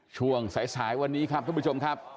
ลองกลับมาลองกลับพอมาลองกลับ